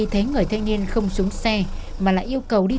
thẻ nạp điện thoại